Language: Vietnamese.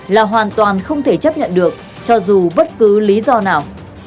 là hoàn toàn không thể chấp nhận được cho dù bất cứ lý do nào